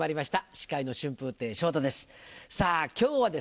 司会の春風亭昇太です